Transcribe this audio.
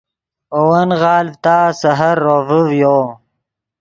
اے ون غالڤ تا سحر روڤے ڤیو